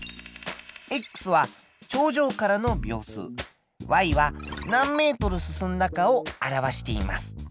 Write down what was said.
は頂上からの秒数。は何ｍ進んだかを表しています。